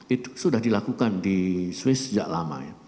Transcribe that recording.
itu sudah dilakukan di swiss sejak lama ya